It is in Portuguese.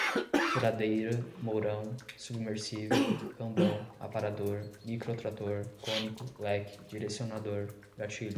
furadeira, mourão, submersível, cambão, aparador, microtrator, cônico, leque, direcionador, gatilho